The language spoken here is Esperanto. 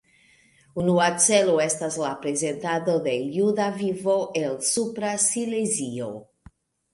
Unua celo estas la prezentado de juda vivo el Supra Silezio.